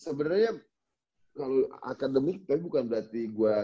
sebenernya kalau akademik kan bukan berarti gue